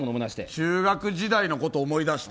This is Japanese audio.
中学時代のこと思い出した？